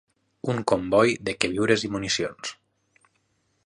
Un comboi de queviures i municions.